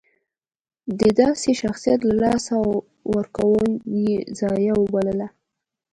د داسې شخصیت له لاسه ورکول یې ضایعه وبلله.